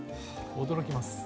驚きます。